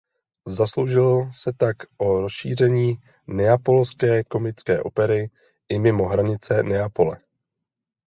Zasloužil se tak o rozšíření neapolské komické opery i mimo hranice Neapole.